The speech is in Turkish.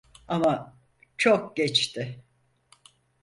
Ama çok geçti.